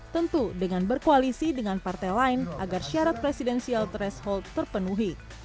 tentu dengan berkoalisi dengan partai lain agar syarat presidensial threshold terpenuhi